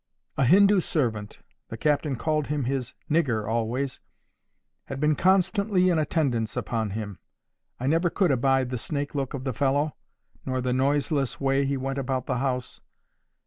A Hindoo servant—the captain called him his NIGGER always—had been constantly in attendance upon him. I never could abide the snake look of the fellow, nor the noiseless way he went about the house.